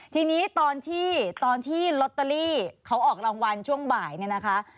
ทีนี้ตอนที่ตอนที่ลอตเตอรี่เขาออกรางวัลช่วงบ่ายเนี่ยนะคะ